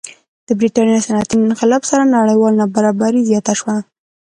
د برېټانیا صنعتي انقلاب سره نړیواله نابرابري زیاته شوه.